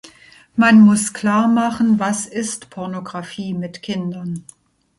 Man muss klar machen, was ist Pornographie mit Kindern.